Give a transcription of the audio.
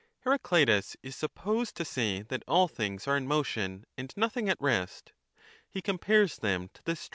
Heracleitus is supposed to say that all things are in motion and nothing at rest ; he compares them to the stream 402 GENES.